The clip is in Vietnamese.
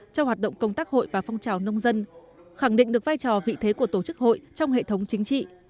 trong hoạt động công tác hội và phong trào nông dân khẳng định được vai trò vị thế của tổ chức hội trong hệ thống chính trị